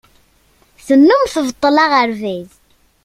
Tennum tbeṭṭel aɣerbaz.